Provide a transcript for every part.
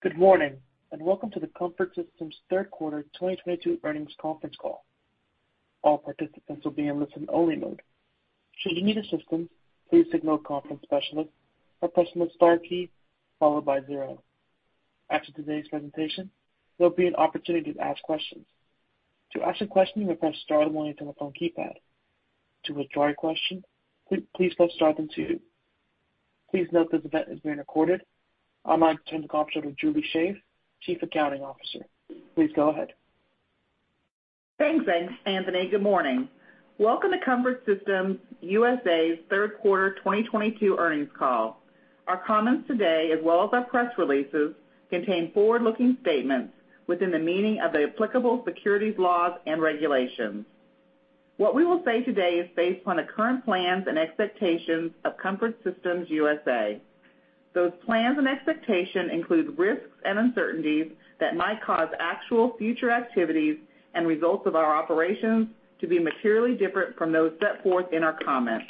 Good morning, and welcome to the Comfort Systems third quarter 2022 earnings conference call. All participants will be in listen-only mode. Should you need assistance, please signal a conference specialist by pressing the star key followed by zero. After today's presentation, there'll be an opportunity to ask questions. To ask a question, you may press star on your telephone keypad. To withdraw your question, please press star then two. Please note this event is being recorded. I'd like to turn the call over to Julie Shaeff, Chief Accounting Officer. Please go ahead. Thanks, Anthony. Good morning. Welcome to Comfort Systems USA's third quarter 2022 earnings call. Our comments today, as well as our press releases, contain forward-looking statements within the meaning of the applicable securities laws and regulations. What we will say today is based on the current plans and expectations of Comfort Systems USA. Those plans and expectations include risks and uncertainties that might cause actual future activities and results of our operations to be materially different from those set forth in our comments.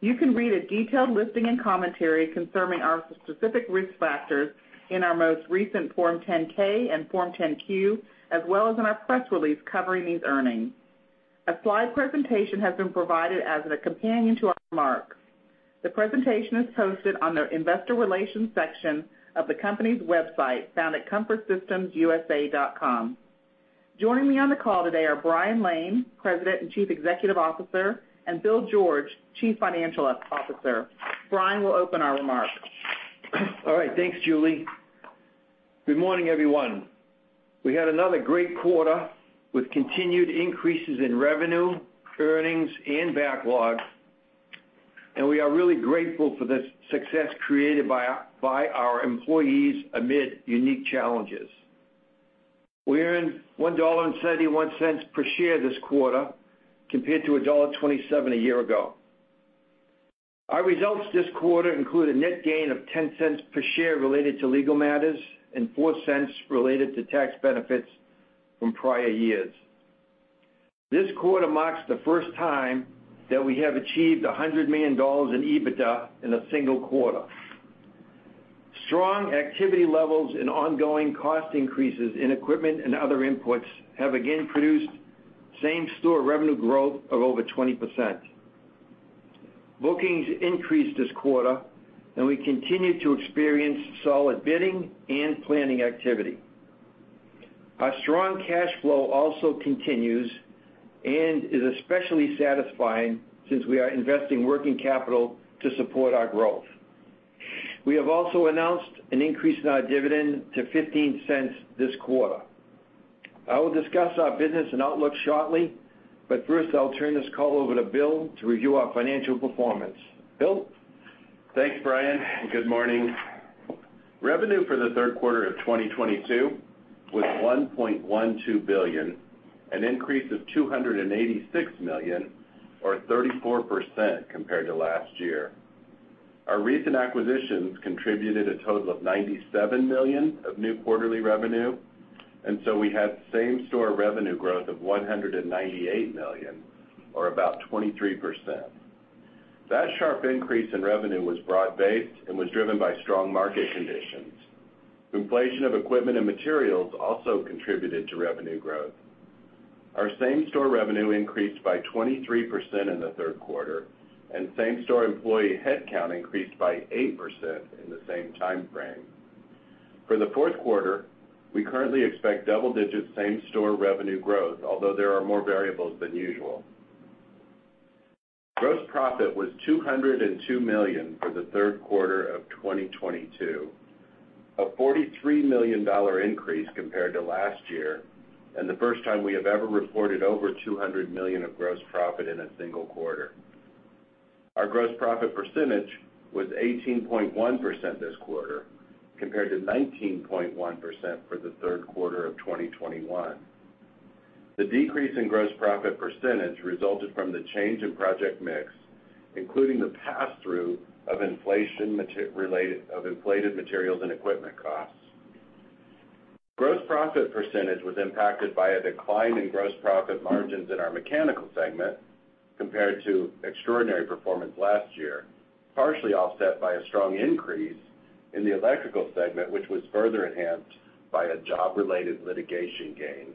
You can read a detailed listing and commentary concerning our specific risk factors in our most recent Form 10-K and Form 10-Q, as well as in our press release covering these earnings. A slide presentation has been provided as a companion to our remarks. The presentation is posted on the investor relations section of the company's website found at comfortsystemsusa.com. Joining me on the call today are Brian Lane, President and Chief Executive Officer, and Bill George, Chief Financial Officer. Brian will open our remarks. All right, thanks, Julie. Good morning, everyone. We had another great quarter with continued increases in revenue, earnings, and backlog, and we are really grateful for this success created by our employees amid unique challenges. We earned $1.71 per share this quarter compared to $1.27 a year ago. Our results this quarter include a net gain of $0.10 per share related to legal matters and $0.04 related to tax benefits from prior years. This quarter marks the first time that we have achieved $100 million in EBITDA in a single quarter. Strong activity levels and ongoing cost increases in equipment and other inputs have again produced same-store revenue growth of over 20%. Bookings increased this quarter, and we continue to experience solid bidding and planning activity. Our strong cash flow also continues and is especially satisfying since we are investing working capital to support our growth. We have also announced an increase in our dividend to $0.15 this quarter. I will discuss our business and outlook shortly, but first, I'll turn this call over to Bill to review our financial performance. Bill? Thanks, Brian, and good morning. Revenue for the third quarter of 2022 was $1.12 billion, an increase of $286 million or 34% compared to last year. Our recent acquisitions contributed a total of $97 million of new quarterly revenue, and so we had same-store revenue growth of $198 million, or about 23%. That sharp increase in revenue was broad-based and was driven by strong market conditions. Inflation of equipment and materials also contributed to revenue growth. Our same-store revenue increased by 23% in the third quarter, and same-store employee headcount increased by 8% in the same timeframe. For the fourth quarter, we currently expect double-digit same-store revenue growth, although there are more variables than usual. Gross profit was $202 million for the third quarter of 2022, a $43 million increase compared to last year and the first time we have ever reported over $200 million of gross profit in a single quarter. Our gross profit percentage was 18.1% this quarter, compared to 19.1% for the third quarter of 2021. The decrease in gross profit percentage resulted from the change in project mix, including the passthrough of inflation of inflated materials and equipment costs. Gross profit percentage was impacted by a decline in gross profit margins in our mechanical segment compared to extraordinary performance last year, partially offset by a strong increase in the electrical segment, which was further enhanced by a job-related litigation gain.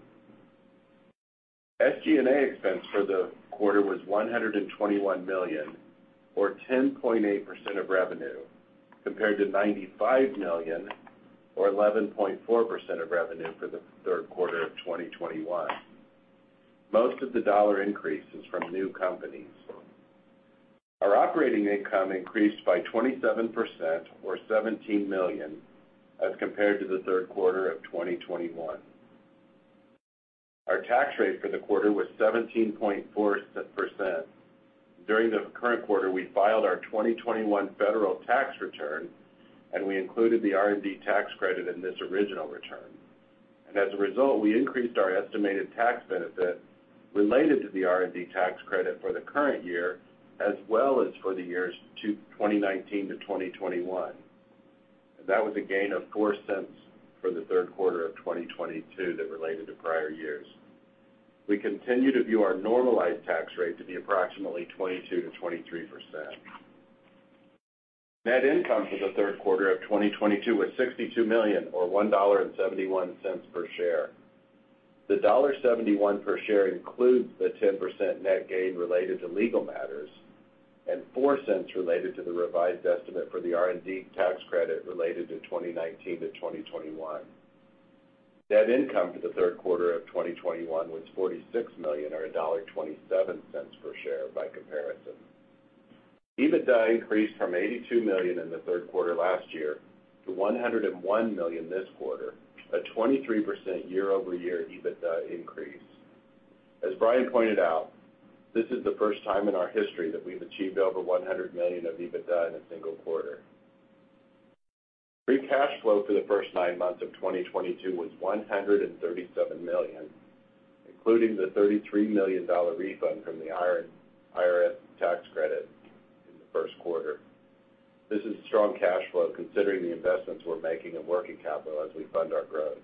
SG&A expense for the quarter was $121 million or 10.8% of revenue, compared to $95 million or 11.4% of revenue for the third quarter of 2021. Most of the dollar increase is from new companies. Our operating income increased by 27% or $17 million as compared to the third quarter of 2021. Our tax rate for the quarter was 17.4%. During the current quarter, we filed our 2021 federal tax return, and we included the R&D tax credit in this original return. As a result, we increased our estimated tax benefit related to the R&D tax credit for the current year as well as for the years 2019-2021. That was a gain of $0.04 for the third quarter of 2022 that related to prior years. We continue to view our normalized tax rate to be approximately 22%-23%. Net income for the third quarter of 2022 was $62 million, or $1.71 per share. The $1.71 per share includes the 10% net gain related to legal matters and $0.04 related to the revised estimate for the R&D tax credit related to 2019-2021. Net income for the third quarter of 2021 was $46 million or $1.27 per share by comparison. EBITDA increased from $82 million in the third quarter last year to $101 million this quarter, a 23% year-over-year EBITDA increase. As Brian pointed out, this is the first time in our history that we've achieved over $100 million of EBITDA in a single quarter. Free cash flow for the first nine months of 2022 was $137 million, including the $33 million refund from the R&D tax credit in the first quarter. This is strong cash flow considering the investments we're making in working capital as we fund our growth.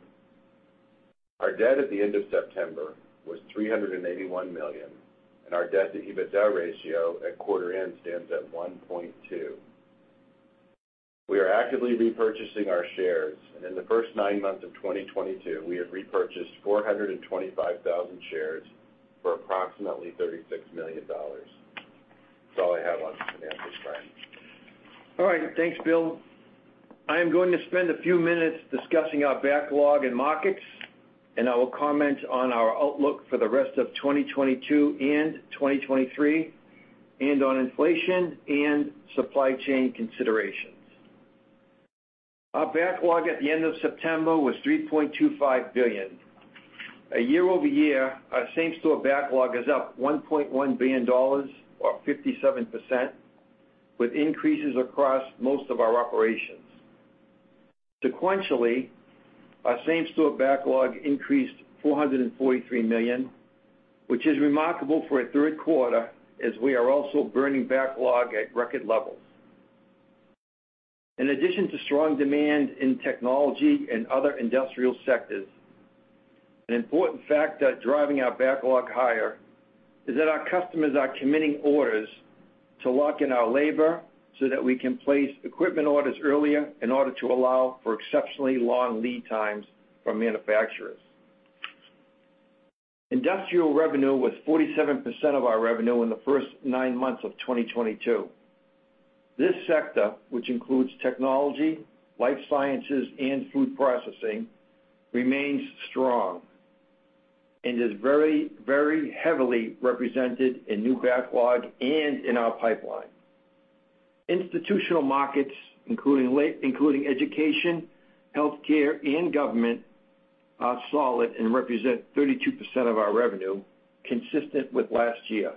Our debt at the end of September was $381 million, and our debt-to-EBITDA ratio at quarter end stands at 1.2. We are actively repurchasing our shares, and in the first nine months of 2022, we have repurchased 425,000 shares for approximately $36 million. That's all I have on the financial front. All right. Thanks, Bill. I am going to spend a few minutes discussing our backlog and markets, and I will comment on our outlook for the rest of 2022 and 2023, and on inflation and supply chain considerations. Our backlog at the end of September was $3.25 billion. Year-over-year, our same-store backlog is up $1.1 billion or 57%, with increases across most of our operations. Sequentially, our same-store backlog increased $443 million, which is remarkable for a third quarter as we are also burning backlog at record levels. In addition to strong demand in technology and other industrial sectors, an important factor driving our backlog higher is that our customers are committing orders to lock in our labor so that we can place equipment orders earlier in order to allow for exceptionally long lead times from manufacturers. Industrial revenue was 47% of our revenue in the first nine months of 2022. This sector, which includes technology, life sciences, and food processing, remains strong and is very, very heavily represented in new backlog and in our pipeline. Institutional markets, including education, healthcare, and government, are solid and represent 32% of our revenue, consistent with last year.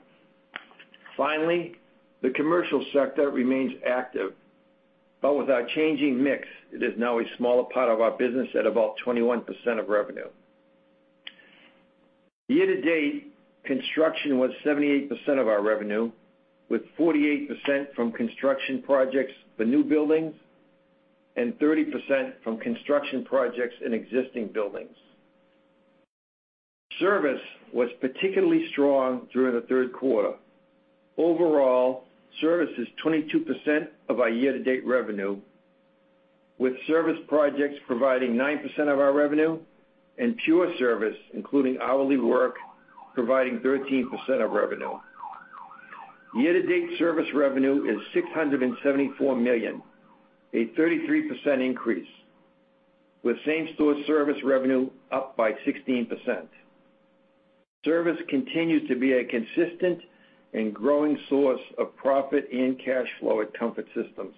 Finally, the commercial sector remains active. With our changing mix, it is now a smaller part of our business at about 21% of revenue. Year to date, construction was 78% of our revenue, with 48% from construction projects for new buildings and 30% from construction projects in existing buildings. Service was particularly strong during the third quarter. Overall, service is 22% of our year-to-date revenue, with service projects providing 9% of our revenue and pure service, including hourly work, providing 13% of revenue. Year to date service revenue is $674 million, a 33% increase, with same-store service revenue up by 16%. Service continues to be a consistent and growing source of profit and cash flow at Comfort Systems.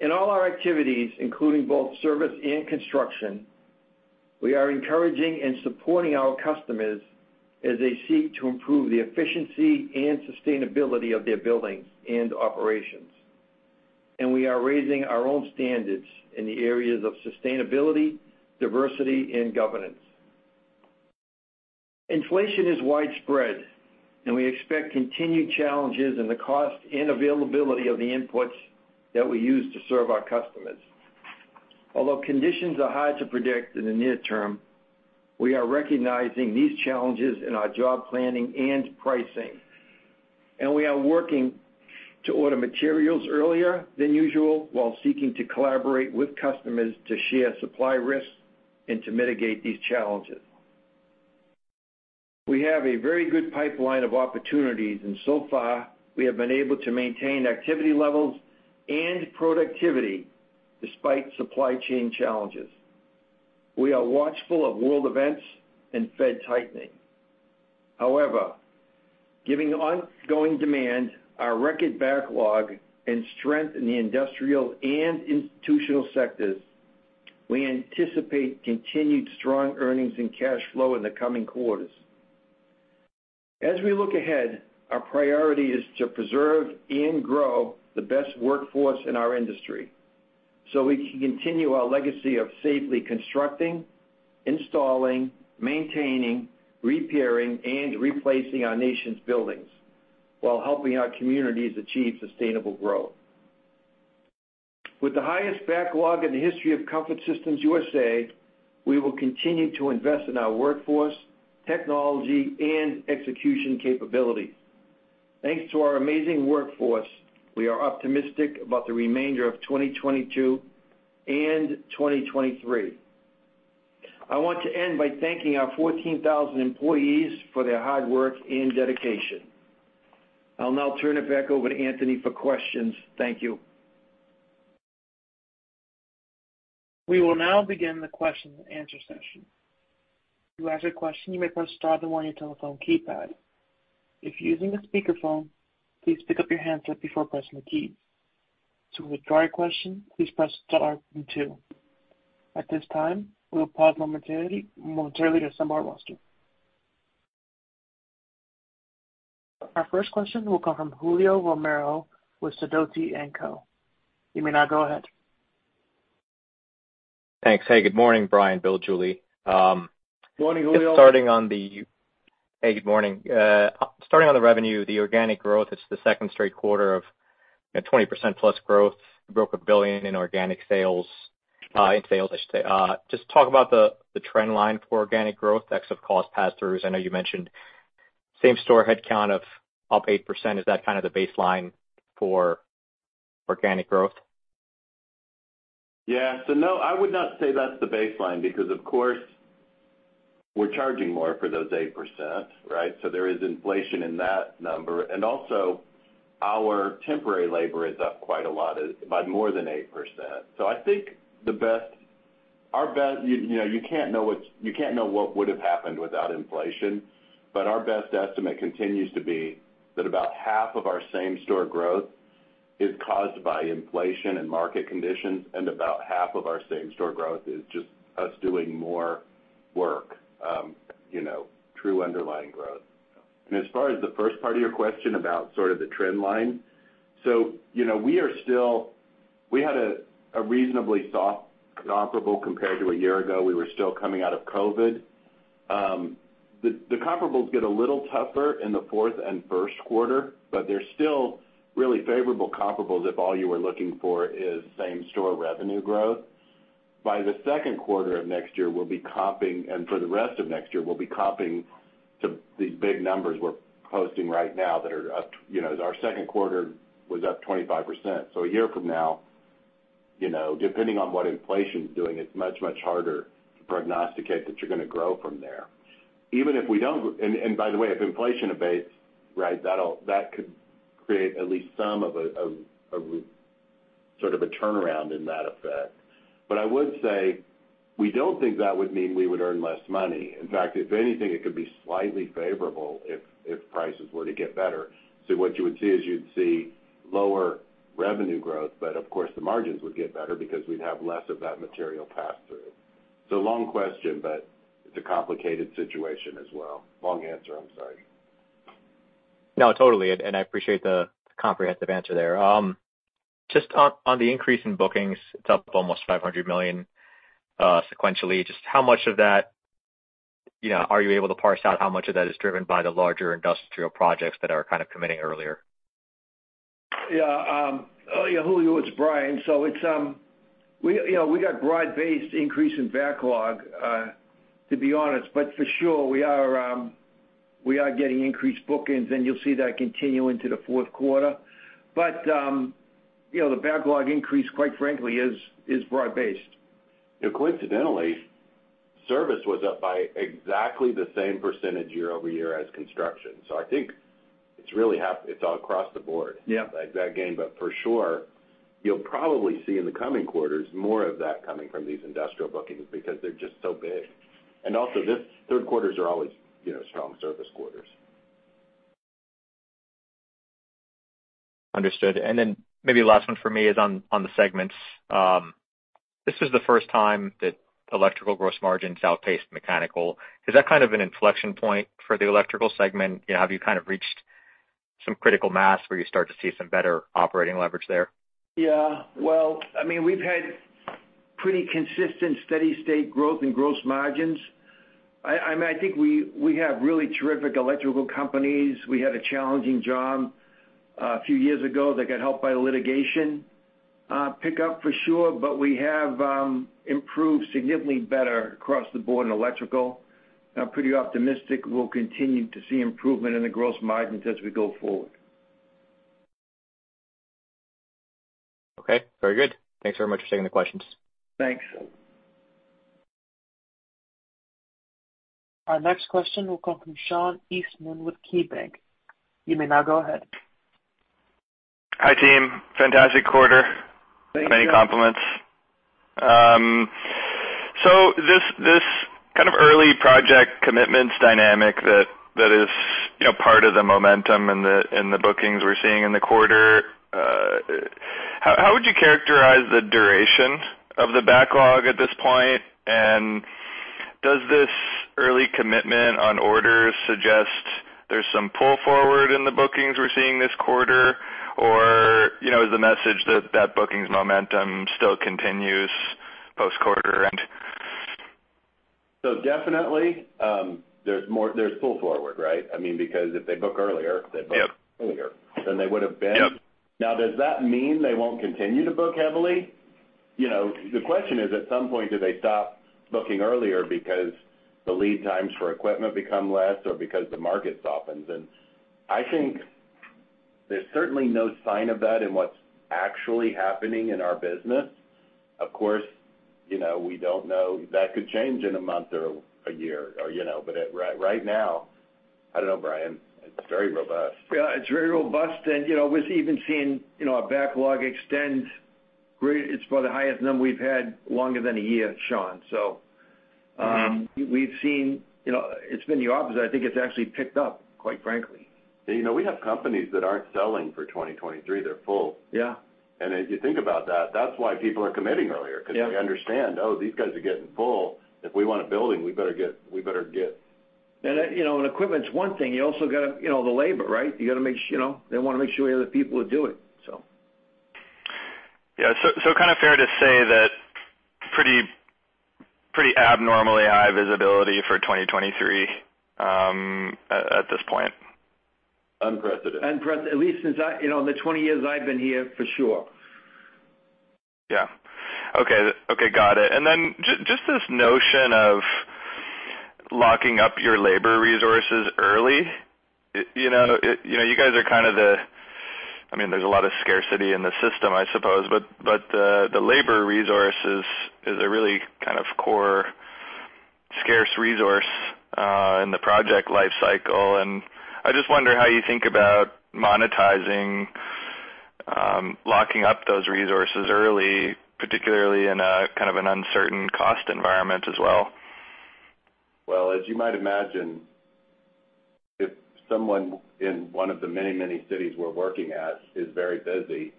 In all our activities, including both service and construction, we are encouraging and supporting our customers as they seek to improve the efficiency and sustainability of their buildings and operations, and we are raising our own standards in the areas of sustainability, diversity, and governance. Inflation is widespread, and we expect continued challenges in the cost and availability of the inputs that we use to serve our customers. Although conditions are hard to predict in the near term, we are recognizing these challenges in our job planning and pricing, and we are working to order materials earlier than usual while seeking to collaborate with customers to share supply risks and to mitigate these challenges. We have a very good pipeline of opportunities, and so far, we have been able to maintain activity levels and productivity despite supply chain challenges. We are watchful of world events and Fed tightening. However, giving ongoing demand, our record backlog, and strength in the industrial and institutional sectors, we anticipate continued strong earnings and cash flow in the coming quarters. As we look ahead, our priority is to preserve and grow the best workforce in our industry, so we can continue our legacy of safely constructing, installing, maintaining, repairing, and replacing our nation's buildings while helping our communities achieve sustainable growth. With the highest backlog in the history of Comfort Systems USA, we will continue to invest in our workforce, technology, and execution capability. Thanks to our amazing workforce, we are optimistic about the remainder of 2022 and 2023. I want to end by thanking our 14,000 employees for their hard work and dedication. I'll now turn it back over to Anthony for questions. Thank you. We will now begin the question and answer session. To ask a question, you may press star then one on your telephone keypad. If you're using a speakerphone, please pick up your handset before pressing the keys. To withdraw your question, please press star then two. At this time, we will pause momentarily to assemble our roster. Our first question will come from Julio Romero with Sidoti & Company. You may now go ahead. Thanks. Hey, good morning, Brian, Bill, Julie. Morning, Julio. Hey, good morning. Starting on the revenue, the organic growth, it's the second straight quarter of 20%+ growth. You broke $1 billion in organic sales, in sales, I should say. Just talk about the trend line for organic growth, ex of cost pass-throughs. I know you mentioned same-store headcount up 8%. Is that kind of the baseline for organic growth? Yeah. No, I would not say that's the baseline because, of course, we're charging more for those 8%, right? There is inflation in that number. Also, our temporary labor is up quite a lot, by more than 8%. I think our best you know, you can't know what would have happened without inflation, but our best estimate continues to be that about half of our same-store growth is caused by inflation and market conditions, and about half of our same-store growth is just us doing more work, you know, true underlying growth. As far as the first part of your question about sort of the trend line, you know, we are still. We had a reasonably soft comparable compared to a year ago. We were still coming out of COVID. The comparables get a little tougher in the fourth and first quarter, but they're still really favorable comparables if all you were looking for is same-store revenue growth. By the second quarter of next year, we'll be comping, and for the rest of next year, we'll be comping to these big numbers we're posting right now that are up, you know, as our second quarter was up 25%. A year from now, you know, depending on what inflation is doing, it's much, much harder to prognosticate that you're gonna grow from there. Even if we don't by the way, if inflation abates, right, that'll, that could create at least some of a sort of a turnaround in that effect. I would say we don't think that would mean we would earn less money. In fact, if anything, it could be slightly favorable if prices were to get better. What you would see is you'd see lower revenue growth, but of course, the margins would get better because we'd have less of that material pass-through. It's a long question, but it's a complicated situation as well. Long answer, I'm sorry. No, totally. I appreciate the comprehensive answer there. Just on the increase in bookings, it's up almost $500 million sequentially. Just how much of that, you know, are you able to parse out how much of that is driven by the larger industrial projects that are kind of committing earlier? Yeah, Julio, it's Brian. You know, we got broad-based increase in backlog, to be honest. For sure, we are getting increased bookings, and you'll see that continue into the fourth quarter. You know, the backlog increase, quite frankly, is broad-based. You know, coincidentally, service was up by exactly the same percentage year-over-year as construction. I think it's all across the board. Yeah Like that gain. For sure, you'll probably see in the coming quarters more of that coming from these industrial bookings because they're just so big. Also, this third quarters are always, you know, strong service quarters. Understood. Maybe last one for me is on the segments. This is the first time that electrical gross margins outpaced mechanical. Is that kind of an inflection point for the electrical segment? You know, have you kind of reached some critical mass where you start to see some better operating leverage there? Yeah. Well, I mean, we've had pretty consistent steady state growth in gross margins. I mean, I think we have really terrific electrical companies. We had a challenging job a few years ago that got helped by litigation, pick up for sure, but we have improved significantly better across the board in electrical. I'm pretty optimistic we'll continue to see improvement in the gross margins as we go forward. Okay, very good. Thanks very much for taking the questions. Thanks. Our next question will come from Sean Eastman with KeyBank. You may now go ahead. Hi, team. Fantastic quarter. Thank you. Many compliments. This kind of early project commitments dynamic that is, you know, part of the momentum in the bookings we're seeing in the quarter, how would you characterize the duration of the backlog at this point? Does this early commitment on orders suggest there's some pull forward in the bookings we're seeing this quarter? You know, is the message that bookings momentum still continues post-quarter? Definitely, there's pull forward, right? I mean, because if they book earlier, they book earlier than they would have been. Yep. Now, does that mean they won't continue to book heavily? You know, the question is, at some point, do they stop booking earlier because the lead times for equipment become less or because the market softens? I think there's certainly no sign of that in what's actually happening in our business. Of course, you know, we don't know. That could change in a month or a year or, you know, but right now, I don't know, Brian, it's very robust. Yeah, it's very robust. You know, we're even seeing, you know, our backlog extend great. It's about the highest number we've had longer than a year, Sean. We've seen. You know, it's been the opposite. I think it's actually picked up, quite frankly. You know, we have companies that aren't selling for 2023. They're full. Yeah. As you think about that's why people are committing earlier, 'cause they understand, oh, these guys are getting full. If we want a building, we better get. You know, equipment's one thing. You also gotta, you know the labor, right? You gotta make sure you know, they wanna make sure you have the people to do it, so. Yeah. Kind of fair to say that pretty abnormally high visibility for 2023 at this point. Unprecedented. At least since I, you know, in the 20 years I've been here, for sure. Yeah. Okay. Okay, got it. Then just this notion of locking up your labor resources early. You know, you know, you guys are kind of the. I mean, there's a lot of scarcity in the system, I suppose. The labor resource is a really kind of core scarce resource in the project life cycle. I just wonder how you think about monetizing locking up those resources early, particularly in a kind of an uncertain cost environment as well. Well, as you might imagine, if someone in one of the many, many cities we're working at is very busy,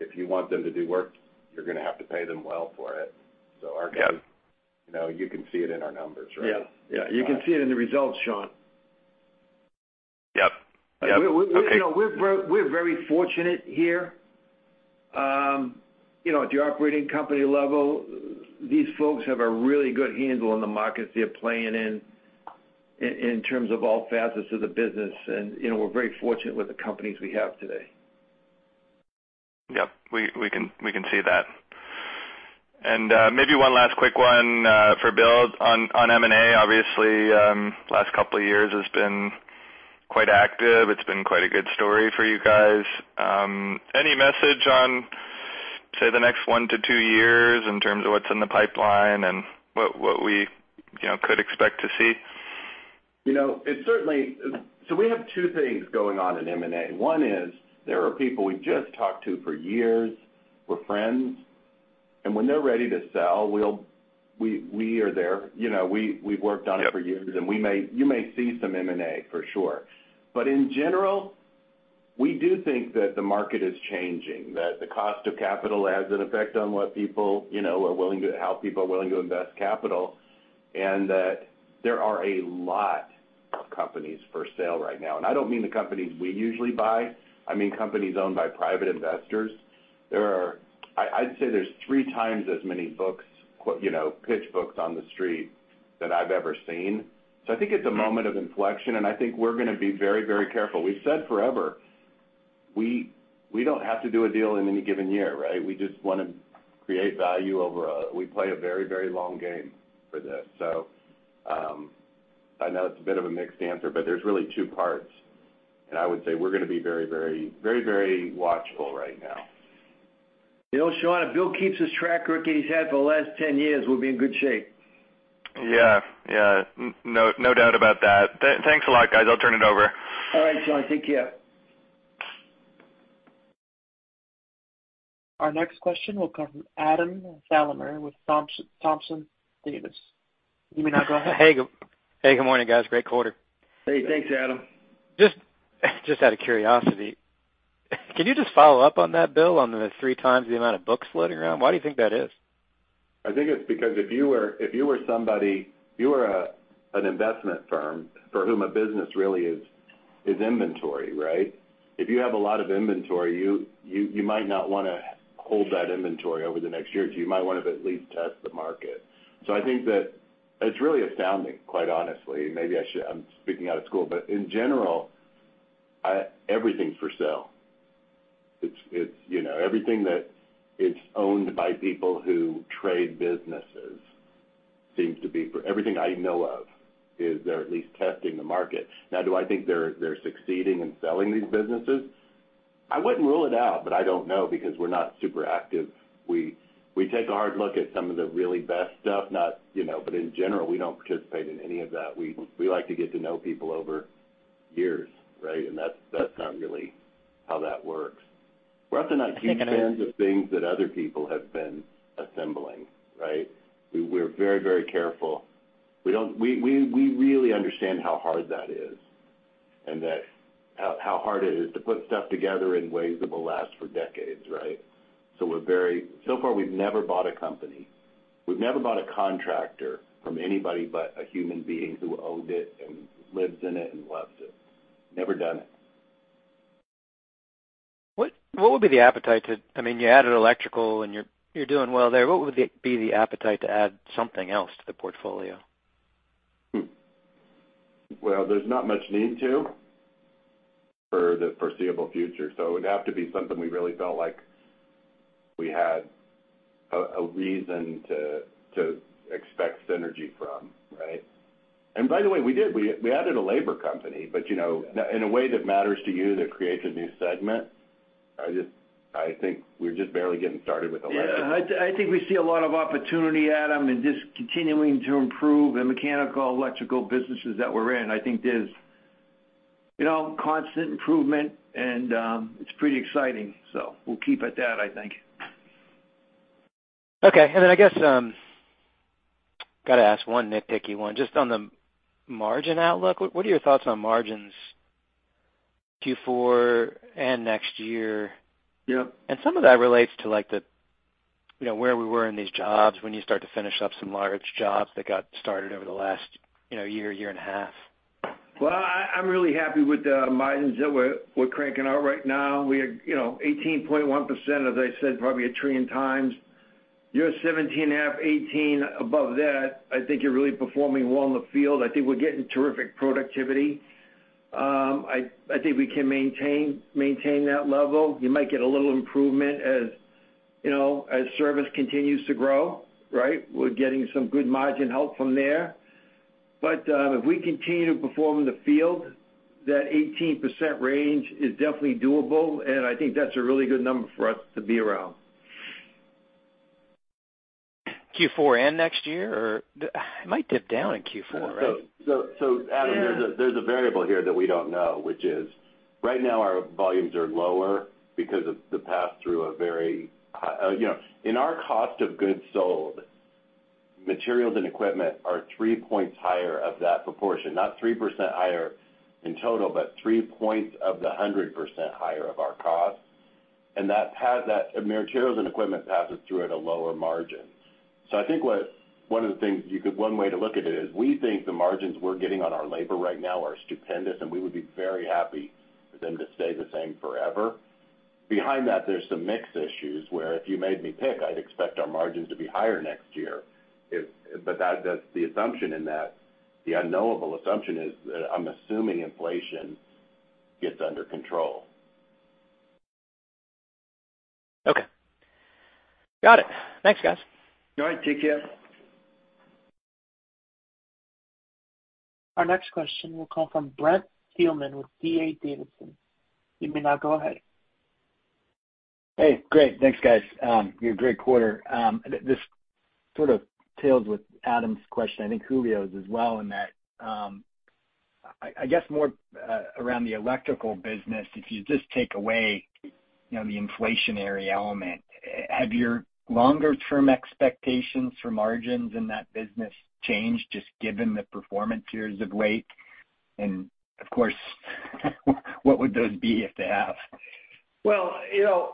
if you want them to do work, you're gonna have to pay them well for it. Yeah. Our guys, you know, you can see it in our numbers, right? Yeah. Yeah. You can see it in the results, Sean. Yep. Yep. Okay. You know, we're very fortunate here. You know, at the operating company level, these folks have a really good handle on the markets they're playing in terms of all facets of the business. You know, we're very fortunate with the companies we have today. Yep. We can see that. Maybe one last quick one for Bill on M&A. Obviously, last couple of years has been quite active. It's been quite a good story for you guys. Any message on, say, the next one to two years in terms of what's in the pipeline and what we, you know, could expect to see? You know, it's certainly. We have two things going on in M&A. One is there are people we've just talked to for years. We're friends, and when they're ready to sell, we are there. You know, we've worked on it for years, and you may see some M&A for sure. But in general, we do think that the market is changing, that the cost of capital has an effect on what people, you know, are willing to, how people are willing to invest capital, and that there are a lot of companies for sale right now. I don't mean the companies we usually buy. I mean, companies owned by private investors. I'd say there's three times as many books, you know, pitch books on the street than I've ever seen. I think it's a moment of inflection, and I think we're gonna be very, very careful. We've said forever we don't have to do a deal in any given year, right? We just wanna create value. We play a very, very long game for this. I know it's a bit of a mixed answer, but there's really two parts. I would say we're gonna be very, very, very, very watchful right now. You know, Sean, if Bill keeps his track record he's had for the last 10 years, we'll be in good shape. Yeah. No, no doubt about that. Thanks a lot, guys. I'll turn it over. All right, Sean. Thank you. Our next question will come from Adam Thalhimer with Thompson Davis. You may now go ahead. Hey, good morning, guys. Great quarter. Hey, thanks, Adam. Just out of curiosity, can you just follow up on that, Bill, on the three times the amount of books floating around? Why do you think that is? I think it's because if you were somebody, you were an investment firm for whom a business really is inventory, right? If you have a lot of inventory, you might not wanna hold that inventory over the next year or two. You might wanna at least test the market. I think that it's really astounding, quite honestly. Maybe I should. I'm speaking out of school. In general, everything's for sale. It's you know, everything that is owned by people who trade businesses seems to be for sale. Everything I know of is they're at least testing the market. Now, do I think they're succeeding in selling these businesses? I wouldn't rule it out, but I don't know because we're not super active. We take a hard look at some of the really best stuff, not, you know, but in general, we don't participate in any of that. We like to get to know people over years, right? That's not really how that works. We're often not huge fans of things that other people have been assembling, right? We're very careful. We really understand how hard that is and how hard it is to put stuff together in ways that will last for decades, right? So far, we've never bought a company. We've never bought a contractor from anybody but a human being who owned it and lives in it and loves it. Never done it. I mean, you added electrical and you're doing well there. What would be the appetite to add something else to the portfolio? Well, there's not much need to for the foreseeable future, so it would have to be something we really felt like we had a reason to expect synergy from, right? By the way, we did. We added a labor company. You know, in a way that matters to you, that creates a new segment. I think we're just barely getting started with the labor. Yeah. I think we see a lot of opportunity, Adam, in just continuing to improve the mechanical and electrical businesses that we're in. I think there's, you know, constant improvement and, it's pretty exciting. We'll keep at that, I think. Okay. I guess, gotta ask one nitpicky one. Just on the margin outlook, what are your thoughts on margins Q4 and next year? Yep. Some of that relates to, like, the, you know, where we were in these jobs when you start to finish up some large jobs that got started over the last, you know, year and a half. Well, I'm really happy with the margins that we're cranking out right now. We are, you know, 18.1%, as I said, probably a trillion times. You're 17.5%, 18% above that. I think you're really performing well in the field. I think we're getting terrific productivity. I think we can maintain that level. You might get a little improvement as, you know, as service continues to grow, right? We're getting some good margin help from there. If we continue to perform in the field, that 18% range is definitely doable, and I think that's a really good number for us to be around. It might dip down in Q4, right? Adam Yeah. There's a variable here that we don't know, which is right now our volumes are lower because of the pass-through. In our cost of goods sold, materials and equipment are three points higher of that proportion, not 3% higher in total, but three points of the 100% higher of our cost. Materials and equipment passes through at a lower margin. I think one way to look at it is we think the margins we're getting on our labor right now are stupendous, and we would be very happy for them to stay the same forever. Behind that, there's some mix issues where if you made me pick, I'd expect our margins to be higher next year. That's the assumption in that. The unknowable assumption is that I'm assuming inflation gets under control. Okay. Got it. Thanks, guys. All right. Take care. Our next question will come from Brent Thielman with D.A. Davidson. You may now go ahead. Hey, great. Thanks, guys. You had a great quarter. This sort of ties with Adam Thalhimer's question, I think Julio Romero's as well in that, I guess more around the electrical business. If you just take away, you know, the inflationary element, have your longer term expectations for margins in that business changed just given the performance years of late? And of course, what would those be if they have? Well, you know,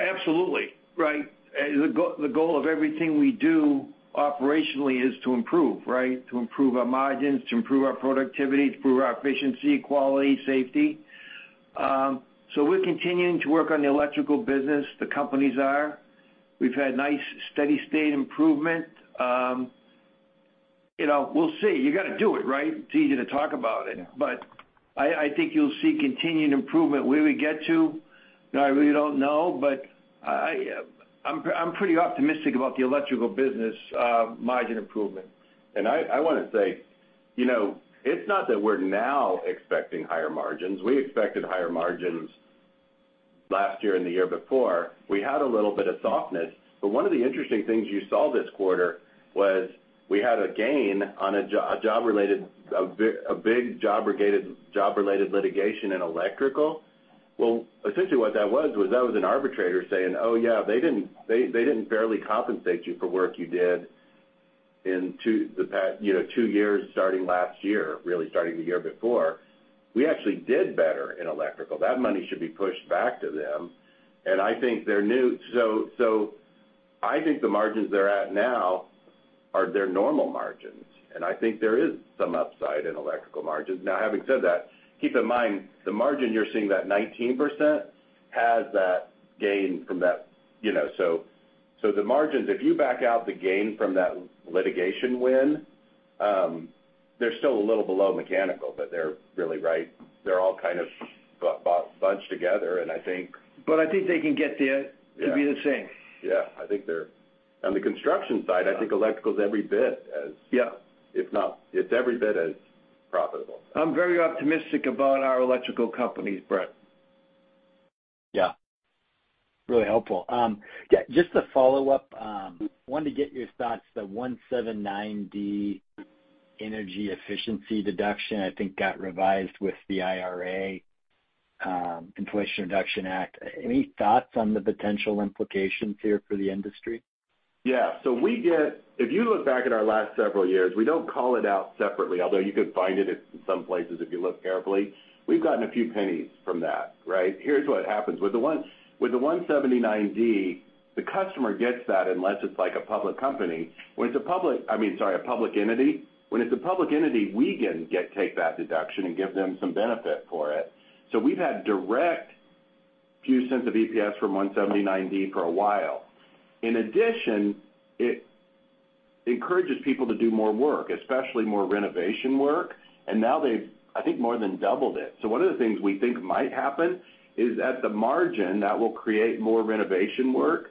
absolutely, right? The goal of everything we do operationally is to improve, right? To improve our margins, to improve our productivity, to improve our efficiency, quality, safety. We're continuing to work on the electrical business. The companies are. We've had nice steady state improvement. You know, we'll see. You gotta do it, right? It's easy to talk about it. Yeah. I think you'll see continued improvement. Where we get to, I really don't know, but I'm pretty optimistic about the electrical business, margin improvement. I wanna say, you know, it's not that we're now expecting higher margins. We expected higher margins last year and the year before. We had a little bit of softness. One of the interesting things you saw this quarter was we had a gain on a big job-related litigation in electrical. Well, essentially what that was was an arbitrator saying, "Oh, yeah, they didn't fairly compensate you for work you did in the past, you know, two years starting last year, really starting the year before. We actually did better in electrical. That money should be pushed back to them." I think they're new. I think the margins they're at now are their normal margins, and I think there is some upside in electrical margins. Now having said that, keep in mind, the margin you're seeing, that 19%, has that gain from that, you know. So the margins, if you back out the gain from that litigation win, they're still a little below mechanical, but they're really right. They're all kind of bunched together, and I think- I think they can get there. Yeah. to be the same. Yeah. I think they're on the construction side, I think electrical's every bit as Yeah. If not, it's every bit as profitable. I'm very optimistic about our electrical companies, Brent. Yeah. Really helpful. Yeah, just to follow up, wanted to get your thoughts, the 179D energy efficiency deduction, I think got revised with the IRA, Inflation Reduction Act. Any thoughts on the potential implications here for the industry? Yeah. We get. If you look back at our last several years, we don't call it out separately, although you could find it at some places if you look carefully. We've gotten a few pennies from that, right? Here's what happens. With the 179D, the customer gets that unless it's like a public company. When it's a public entity, I mean, sorry. When it's a public entity, we can take that deduction and give them some benefit for it. We've had a few cents of EPS from 179D for a while. In addition, it encourages people to do more work, especially more renovation work, and now they've, I think, more than doubled it. One of the things we think might happen is at the margin that will create more renovation work,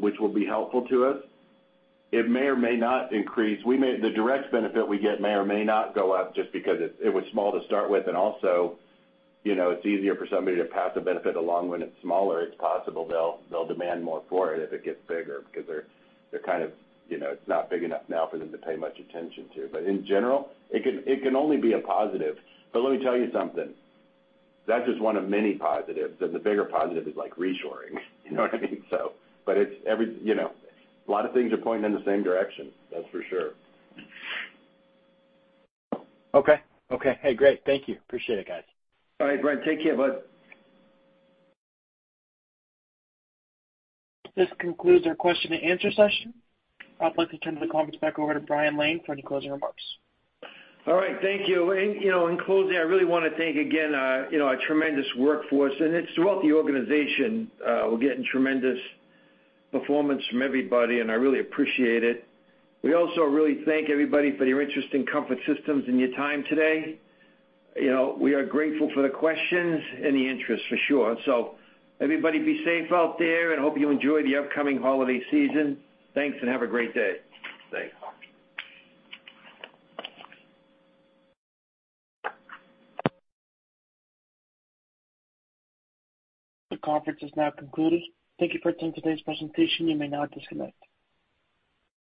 which will be helpful to us. It may or may not increase. The direct benefit we get may or may not go up just because it was small to start with and also, you know, it's easier for somebody to pass a benefit along when it's smaller. It's possible they'll demand more for it if it gets bigger because they're kind of, you know, it's not big enough now for them to pay much attention to. In general, it can only be a positive. Let me tell you something. That's just one of many positives, and the bigger positive is like reshoring. You know what I mean? It's, you know, a lot of things are pointing in the same direction, that's for sure. Okay. Hey, great. Thank you. Appreciate it, guys. All right, Brent. Take care, bud. This concludes our question and answer session. I'd like to turn the conference back over to Brian Lane for any closing remarks. All right, thank you. You know, in closing, I really wanna thank again, you know, our tremendous workforce, and it's throughout the organization, we're getting tremendous performance from everybody, and I really appreciate it. We also really thank everybody for your interest in Comfort Systems and your time today. You know, we are grateful for the questions and the interest for sure. Everybody be safe out there and hope you enjoy the upcoming holiday season. Thanks and have a great day. Thanks. The conference is now concluded. Thank you for attending today's presentation. You may now disconnect.